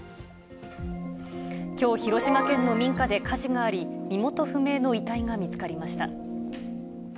きょう、広島県の民家で火事があり、身元不明の遺体が見つかりました。